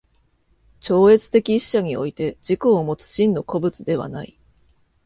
超越的一者において自己をもつ真の個物ではない。